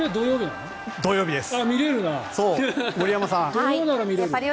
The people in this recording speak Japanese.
土曜日です。